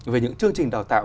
về những chương trình đào tạo